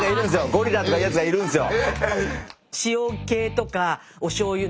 ゴリラとか言うやつがいるんすよ。